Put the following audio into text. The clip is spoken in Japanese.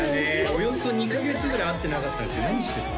およそ２カ月ぐらい会ってなかったけど何してた？